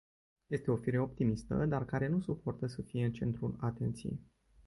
Este o fire optimistă, dar care nu suportă să fie în centrul atenției.